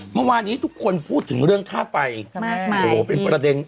เมื่อวานนี้ทุกคนพูดถึงเรื่องค่าไฟมากมายโอ้โหเป็นประเด็น